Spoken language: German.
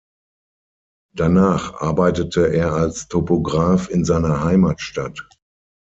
Danach arbeitete er als Topograph in seiner Heimatstadt.